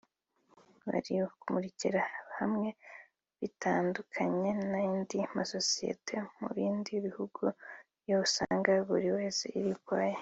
bari kumurikira hamwe bitandukanye n’andi masosiyete yo mu bindi buhugu yo usanga buri yose iri ukwayo